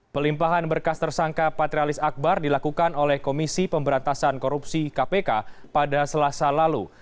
pelimpahan berkas tersangka patrialis akbar dilakukan oleh komisi pemberantasan korupsi kpk pada selasa lalu